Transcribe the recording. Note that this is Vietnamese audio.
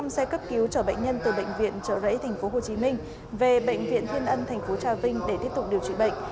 xe cấp cứu chở bệnh nhân từ bệnh viện chợ rẫy tp hcm về bệnh viện thiên ân tp chà vinh để tiếp tục điều trị bệnh